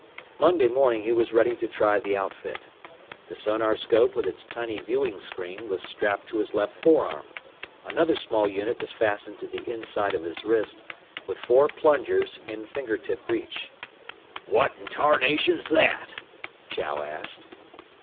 Monday morning he was ready to try the outfit. The sonarscope with its tiny viewing screen was strapped to his left forearm. Another small unit was fastened to the inside of his wrist, with four plungers in finger tip reach. "What in tarnation's that?" Chow asked.